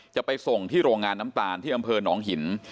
จะไปส่งที่โรงงานน้ำตาลที่อำเภอหนองหิน